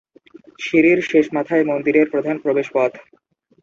সিঁড়ির শেষ মাথায় মন্দিরের প্রধান প্রবেশপথ।